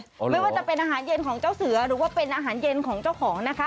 ไม่ว่าจะเป็นอาหารเย็นของเจ้าเสือหรือว่าเป็นอาหารเย็นของเจ้าของนะคะ